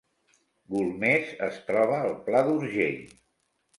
Golmés es troba al Pla d’Urgell